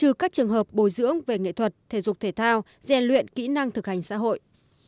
trừ các trường hợp bồi dưỡng về nghệ thuật thể dục thể thao gian luyện kỹ năng thực hành xã hội